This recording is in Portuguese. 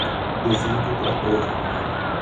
Desligue o trator